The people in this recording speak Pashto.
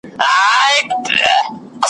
په کښتۍ کي وه سپاره یو شمېر وګړي `